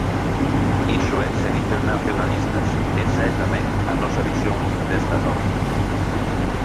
Iso é ser internacionalistas, esa é tamén a nosa visión desta norma.